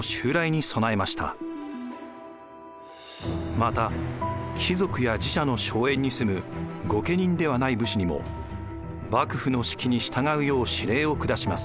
また貴族や寺社の荘園に住む御家人ではない武士にも幕府の指揮に従うよう指令を下します。